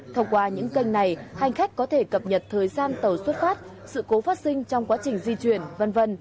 thông qua những kênh này hành khách có thể cập nhật thời gian tàu xuất phát sự cố phát sinh trong quá trình di chuyển v v